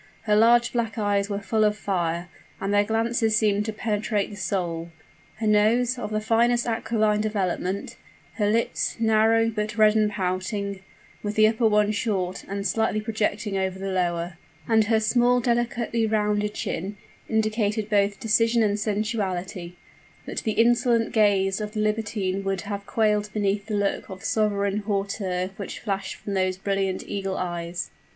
Her large black eyes were full of fire, and their glances seemed to penetrate the soul. Her nose, of the finest aquiline development, her lips, narrow, but red and pouting, with the upper one short and slightly projecting over the lower, and her small, delicately rounded chin, indicated both decision and sensuality: but the insolent gaze of the libertine would have quailed beneath the look of sovereign hauteur which flashed from those brilliant eagle eyes.